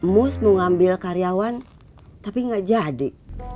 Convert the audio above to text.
most mau ngambil karyawan tapi gak jadi